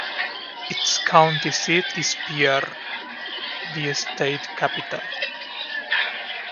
Its county seat is Pierre, the state capital.